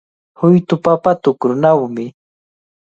Huytu papa tukrunawmi.